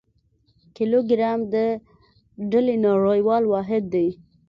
کیلوګرام د ډلي نړیوال واحد دی.